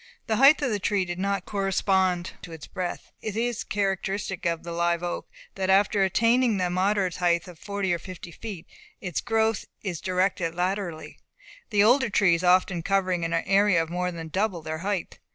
The height of the tree did not correspond to its breadth. It is characteristic of the live oak that, after attaining the moderate height of forty or fifty feet, its growth is directed laterally; the older trees often covering an area of more than double their height.